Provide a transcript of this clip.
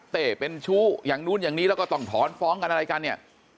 เป็นชู้อย่างนู้นอย่างนี้แล้วก็ต้องถอนฟ้องกันอะไรกันเนี่ย